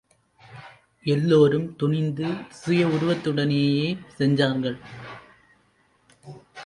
எல்லோரும் துணிந்து சுய உருவத்துடனேயே சென்றார்கள்.